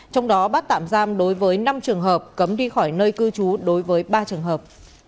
trong đó bắt tạm giam đối với năm trường hợp cấm đi khỏi nơi cư trú đối với ba trường hợp